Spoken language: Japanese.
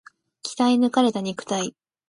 鍛え抜かれた肉体